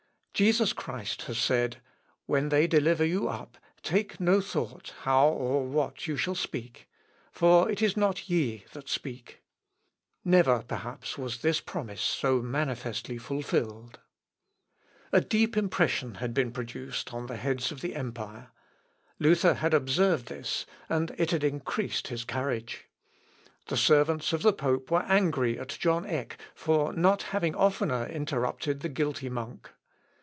Jesus Christ has said, "When they deliver you up, take no thought how or what you shall speak. For it is not ye that speak." Never, perhaps, was this promise so manifestly fulfilled. Matt. x, 18, 20. A deep impression had been produced on the heads of the empire. Luther had observed this, and it had increased his courage. The servants of the pope were angry at John Eck for not having oftener interrupted the guilty monk.